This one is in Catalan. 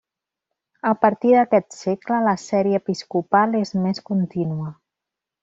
A partir d'aquest segle la sèrie episcopal és més contínua.